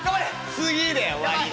「次で終わりだ。